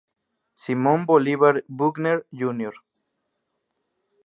Simon Bolivar Buckner, Jr.